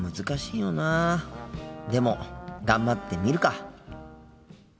でも頑張ってみるか。